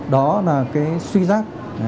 đó là cái suy giáp